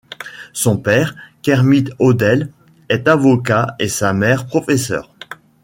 Son père, Kermit Odel, est avocat et sa mère, professeur.